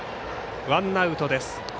ワンアウトです。